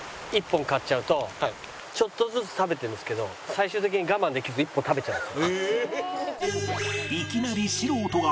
ちょっとずつ食べてるんですけど最終的に我慢できず一本食べちゃうんです。